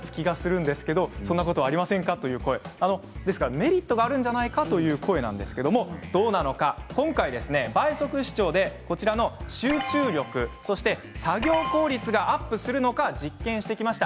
メリットがあるんじゃないかという声なんですが今回、倍速視聴で集中力そして作業効率がアップするのか実験してきました。